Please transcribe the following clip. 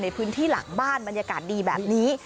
ในพื้นที่หลังบ้านบรรยากาศดีแบบนี้